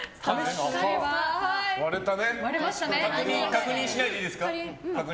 確認しないでいいですか？